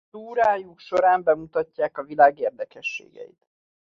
Túrájuk során bemutatják a világ érdekességeit.